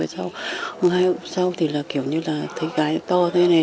sau hai hôm sau thì kiểu như là thấy gái to thế này